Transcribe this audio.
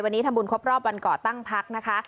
วันนี้ดำบลครบรอบวันเกาะตั้งพรรคนะคะ